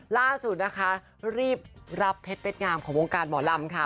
ล่าสุดนะคะรีบรับเพชรเด็ดงามของวงการหมอลำค่ะ